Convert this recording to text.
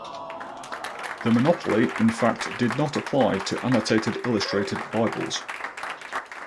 The monopoly in fact did not apply to annotated or illustrated Bibles.